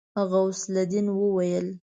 غوث الدين وويل.